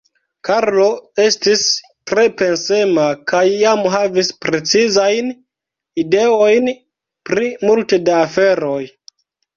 Karlo estis tre pensema kaj jam havis precizajn ideojn pri multe da aferoj.